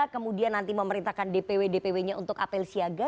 kemudian nanti memerintahkan dpw dpw nya untuk apel siaga